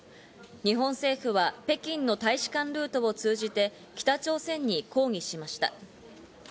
日本政府は北京の大使館ルートを通じて北朝鮮に抗議しました。